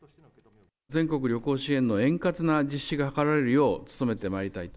全国旅行支援の円滑な実施が図られるよう努めてまいりたい。